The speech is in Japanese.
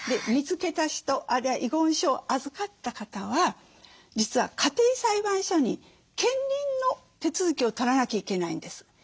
見つけた人あるいは遺言書を預かった方は実は家庭裁判所に検認の手続きを取らなきゃいけないんです。